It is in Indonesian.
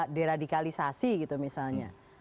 diradikalisasi gitu misalnya